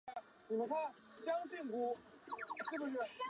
已经查到了